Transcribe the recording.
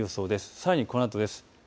さらに、このあとです。